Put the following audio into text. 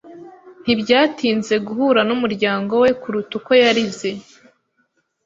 Ntibyatinze guhura numuryango we kuruta uko yarize.